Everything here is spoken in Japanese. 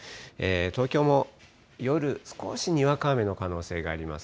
東京も夜、少しにわか雨の可能性があります。